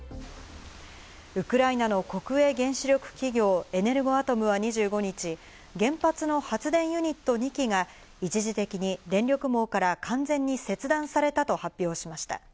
ウクライナの国営原子力企業エネルゴアトムは２５日、原発の発電ユニット２基が一時的に電力網から完全に切断されたと発表しました。